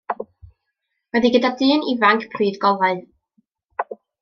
Roedd hi gyda dyn ifanc pryd golau.